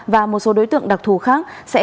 và một số đối tượng đặc thù khác sẽ